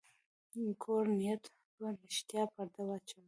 کوږ نیت پر رښتیا پرده واچوي